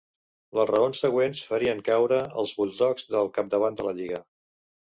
Les raons següents farien caure els Bulldogs del capdavant de la lliga.